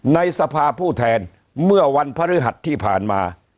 ในสภาผู้แทนเมื่อวันพฤหัสที่ผ่านมา